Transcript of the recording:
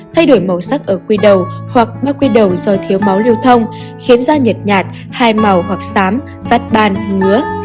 thay đổi màu sắc ở quy đầu hoặc bao quy đầu do thiếu máu liêu thông khiến da nhật nhạt hài màu hoặc xám vắt ban ngứa